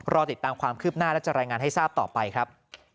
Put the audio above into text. ติดตามความคืบหน้าและจะรายงานให้ทราบต่อไปครับ